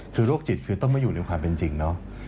คือโรคจิตคือต้องมาอยู่ในความเป็นจริงเนาะ